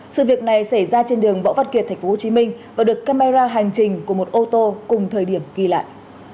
sự việc này xảy ra trên đường võ văn kiệt tp hcm và được camera hành trình của một ô tô cùng thời điểm ghi lại